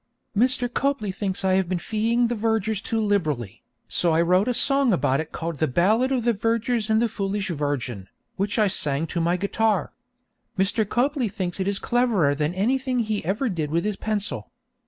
Mr. Copley thinks I have been feeing the vergers too liberally, so I wrote a song about it called 'The Ballad of the Vergers and the Foolish Virgin,' which I sang to my guitar. Mr. Copley thinks it is cleverer than anything he ever did with his pencil.